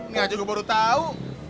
nggak cukup baru tahu